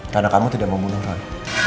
karena kamu tidak membunuh roy